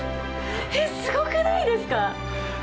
えっすごくないですか？